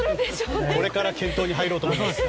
これから検討に入ろうと思います。